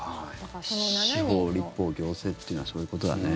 司法、立法、行政というのはそういうことだね。